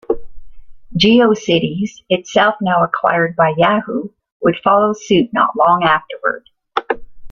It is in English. GeoCities, itself now acquired by Yahoo!, would follow suit not long afterward.